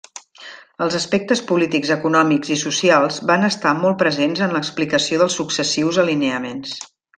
Els aspectes polítics, econòmics i socials van estar molt presents en l'explicació dels successius alineaments.